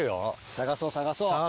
探そう探そう。